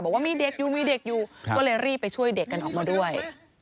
บอกว่ามีเด็กอยู่มีเด็กอยู่ก็เลยรีบไปช่วยเด็กกันออกมาด้วย